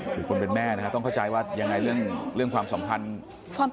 ถูกเป็นแม่ต้องเข้าใจว่าเรื่องของสำคัญ